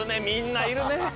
みんないるね！